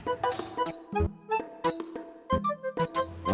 kita akan lihat